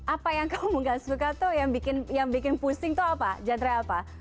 apa yang kamu gak suka tuh yang bikin pusing tuh apa genre apa